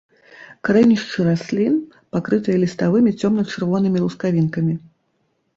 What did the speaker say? Карэнішчы раслін пакрытыя ліставымі цёмна-чырвонымі лускавінкамі.